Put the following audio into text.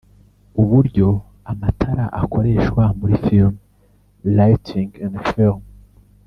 uburyo amatara akoreshwa muri film (Lighting in film)